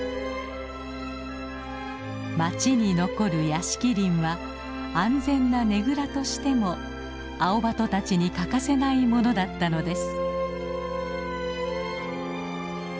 町に残る屋敷林は安全なねぐらとしてもアオバトたちに欠かせないものだったのです。